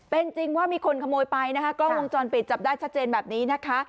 เป็นจริงว่ามีคนขโมยไปนะคะกล้องวงจรปิดจับได้ชัดเจนแบบนี้นะคะ